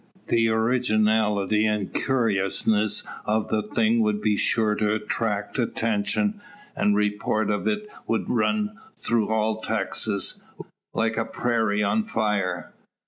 The originality an' curiousness o' the thing would be sure to 'tract attention, an' the report o't would run through all Texas, like a prairie on fire.